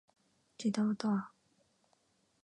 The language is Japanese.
自動ドア